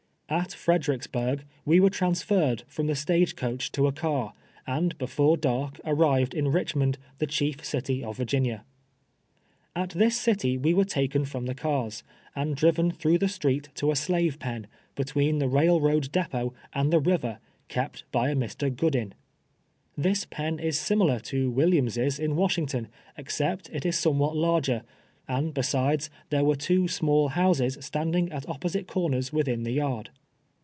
At Fredericks! >urgh Ave were transi'ei i ed from the stage coach to a car, and l)ef >re dark arrived in Rich mond, the chief city of Virginia. At this city vro were taken from the cars, and driven through the street to a slave pen, hetween the railroad depot and the river, kept by a Mr. Goodin. This pen is similar to AYilliams' in "Washington, except it is somewhat larger; and besides, there were two small houses standing at opjiosite corners within the yard.